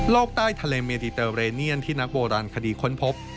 ใต้ทะเลเมดิเตอร์เรเนียนที่นักโบราณคดีค้นพบ